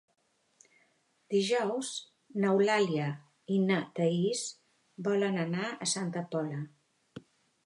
Dijous n'Eulàlia i na Thaís volen anar a Santa Pola.